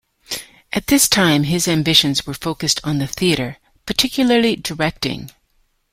At this time, his ambitions were focused on the theatre, particularly directing.